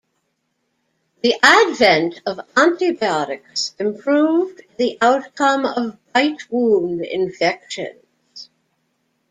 The advent of antibiotics improved the outcome of bite wound infections.